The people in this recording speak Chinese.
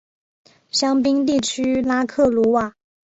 香槟地区拉克鲁瓦。